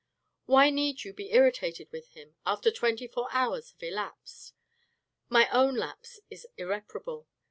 " Why need you be irritated with him, after twenty four hours have elapsed ? My own lapse is irreparable.